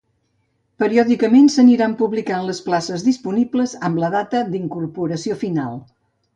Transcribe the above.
Periòdicament s'aniran publicant les places disponibles, amb la data d'incorporació final.